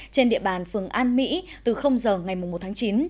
trên địa bàn phường an mỹ từ giờ ngày một tháng chín